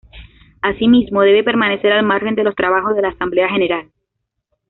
Así mismo, debe permanecer al margen de los trabajos de la Asamblea General.